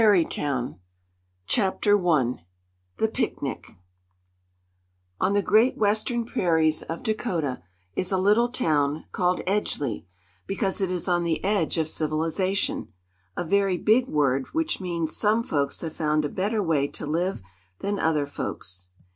189 Chapter I The Picnic ON the great western prairies of Dakota is a little town called Edgeley, because it is on the edge of civilization a very big word which means some folks have found a better way to live than other folks.